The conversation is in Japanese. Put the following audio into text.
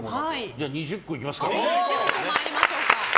じゃあ２０個いきますか。